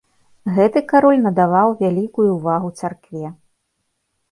Гэты кароль надаваў вялікую ўвагу царкве.